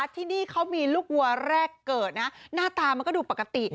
ที่นี่เขามีลูกวัวแรกเกิดนะหน้าตามันก็ดูปกติ